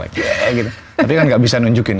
tapi kan gak bisa nunjukin